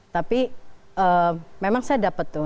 tapi memang saya dapat tuh